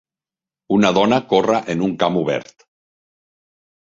Una dona corre en un camp obert